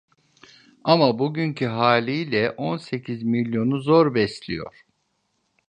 Ama bugünkü haliyle on sekiz milyonu zor besliyor…